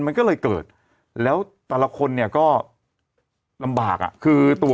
ทำงานครบ๒๐ปีได้เงินชดเฉยเลิกจ้างไม่น้อยกว่า๔๐๐วัน